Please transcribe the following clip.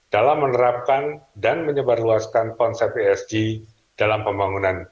dalam menerapkan dan menyebarluaskan konsep esg dalam pembangunan